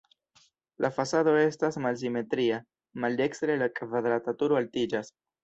La fasado estas malsimetria, maldekstre la kvadrata turo altiĝas.